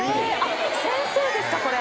先生ですかこれ。